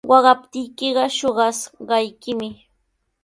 Waqaptiykiqa shuqashqaykimi.